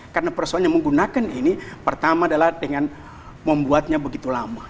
karena perasaannya menggunakan ini pertama adalah dengan membuatnya begitu lama